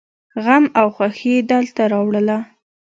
غم او خوښي يې دلته راوړله.